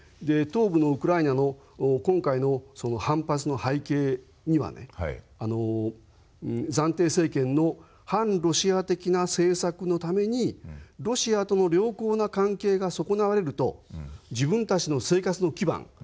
東部ウクライナの今回の反発の背景には暫定政権の反ロシア的な政策のためにロシアとの良好な関係が損なわれると自分たちの生活の基盤